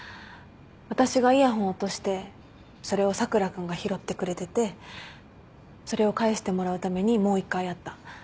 私がイヤホン落としてそれを佐倉君が拾ってくれててそれを返してもらうためにもう一回会った。